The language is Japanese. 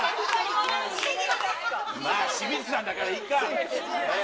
まあ、清水さんだからいいか。